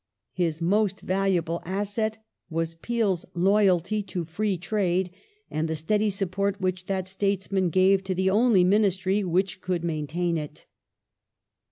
His most valuable asset was Peel's loyalty to Free Trade, and the steady support which that statesman gave to the only Ministry which could maintain it.